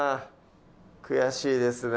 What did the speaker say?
悔しいですね